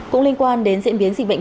cũng liên quan đến diễn biến dịch bệnh